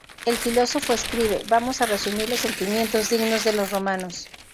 El filósofo escribe: "Vamos a resumir los sentimientos dignos de los romanos.